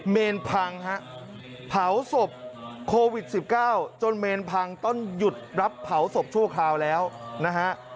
เมนพังฮะเผาศพโควิด๑๙จนเมนพังต้องหยุดรับเผาศพชั่วคราวแล้วนะฮะ